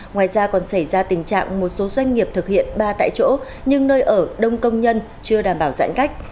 ngoài ra còn xảy ra tình trạng một số doanh nghiệp thực hiện ba tại chỗ nhưng nơi ở đông công nhân chưa đảm bảo giãn cách